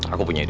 aku punya ide